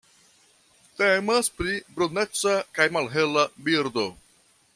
Temas pri bruneca kaj malhela birdo.